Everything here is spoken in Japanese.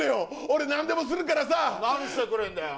俺何でもするからさ何してくれんだよ